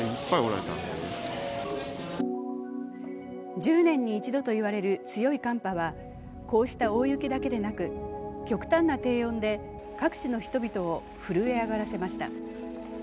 １０年に一度と言われる強い寒波は、こうした大雪だけでなく極端な低温で各地の人々を震え上がらせました。